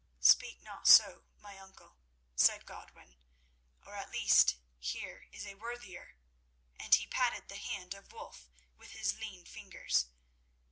"Speak not so, my uncle," said Godwin; "or at least, here is a worthier,"—and he patted the hand of Wulf with his lean fingers.